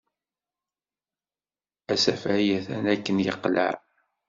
Asafag atan akken yeqleɛ.